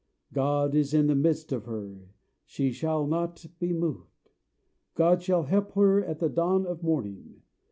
God is in the midst of her; she shall not be moved: God shall help her at the dawn of morning.